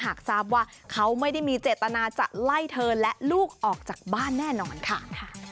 หากทราบว่าเขาไม่ได้มีเจตนาจะไล่เธอและลูกออกจากบ้านแน่นอนค่ะ